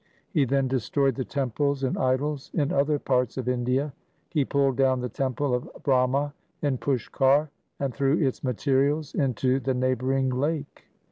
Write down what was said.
He then destroyed the temples and idols in other parts of India. He pulled down the temple of Brahma in Eushkar and threw its materials into the neighbouring lake.